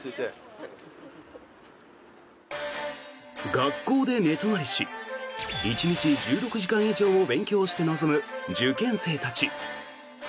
学校で寝泊まりし１日１６時間以上も勉強して臨む受験生たち。